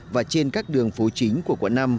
và trên các đường phố chính của quận năm